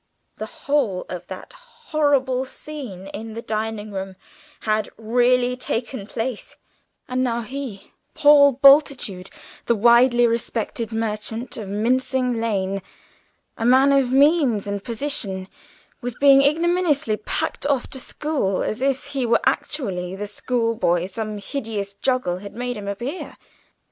The whole of that horrible scene in the dining room had really taken place; and now he, Paul Bultitude, the widely respected merchant of Mincing Lane, a man of means and position, was being ignominiously packed off to school as if he were actually the schoolboy some hideous juggle had made him appear!